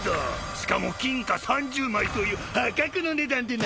しかも金貨３０枚という破格の値段でな！